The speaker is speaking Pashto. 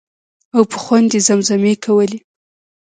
او په خوند یې زمزمې کولې.